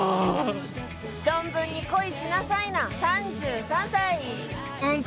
存分に恋しなさいな、３３歳！